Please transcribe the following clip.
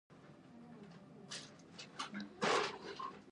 فرشته سپوږمۍ او عزیزه سپوږمۍ سره خویندې دي